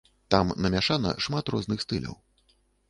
Там намяшана шмат розных стыляў.